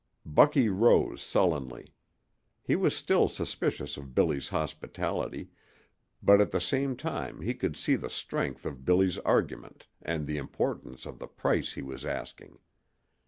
Bucky rose sullenly. He was still suspicious of Billy's hospitality, but at the same time he could see the strength of Billy's argument and the importance of the price he was asking.